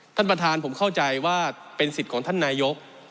ท่านประธานผมเข้าใจว่าเป็นสิทธิ์ของท่านนายก